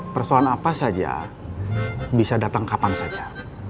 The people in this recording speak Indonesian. persoalan apa saja bisa datang kapan saja